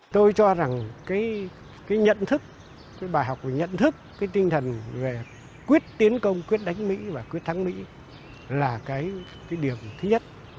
tôi cho rằng cái nhận thức cái bài học về nhận thức cái tinh thần về quyết tiến công quyết đánh mỹ và quyết thắng mỹ là cái điểm thứ nhất